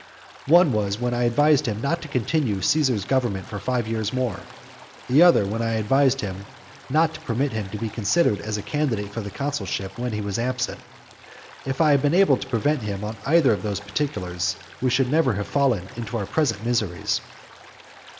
One was when I advised him not to continue Caesar's government for five years more. The other, when I advised him not to permit him to be considered as a candidate for the consulship when he was absent. And if I had been able to prevail on him in either of these particulars, we should never have fallen into our present miseries.